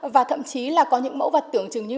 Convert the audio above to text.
và thậm chí là có những mẫu vật tưởng chừng như